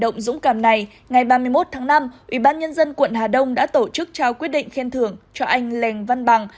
ngày ba mươi một tháng năm ubnd quận hà đông đã tổ chức trao quyết định khen thưởng cho anh lèng văn bằng